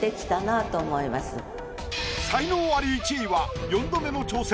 才能アリ１位は４度目の挑戦